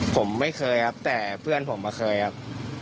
ผมไม่เคยครับแต่เพื่อนผมอะเคยครับ